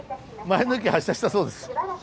前の駅発車したそうです！